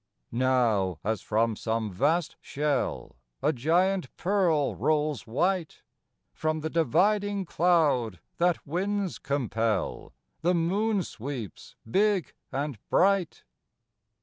Now, as from some vast shell A giant pearl rolls white, From the dividing cloud, that winds compel, The moon sweeps, big and bright.